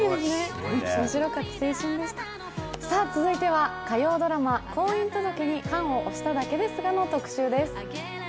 続いては火曜ドラマ「婚姻届に判を捺しただけですが」の特集です。